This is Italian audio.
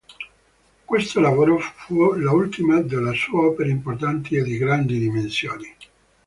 Questo lavoro fu l'ultima delle sue opere importanti e di grandi dimensioni.